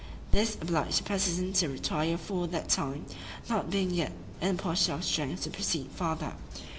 This obliged the president to retire for that time, not being yet in a posture of strength to proceed farther.